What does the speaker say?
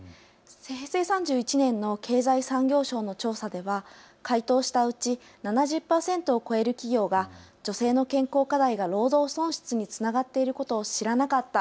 平成３１年の経済産業省の調査では回答したうち７０％を超える企業が女性の健康課題が労働損失につながっていることを知らなかった。